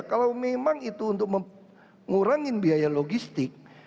kalau memang itu untuk mengurangi biaya logistik